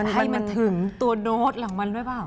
ให้มันถึงตัวโดสของมันหรือเปล่า